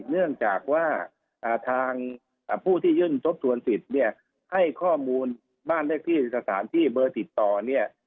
เนื่องจากว่าทางผู้ที่ยื่นทบทวนสิทธิ์เนี่ยให้ข้อมูลบ้านเลขที่สถานที่เบอร์ติดต่อเนี่ย